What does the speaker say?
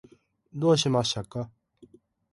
どうしましたか？